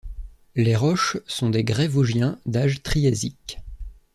Les roches sont des grès vosgiens d'âge triasique.